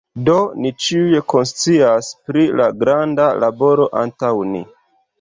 Do, ni ĉiuj konscias pri la granda laboro antaŭ ni.